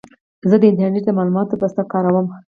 زه د انټرنېټ د معلوماتو بسته کاروم.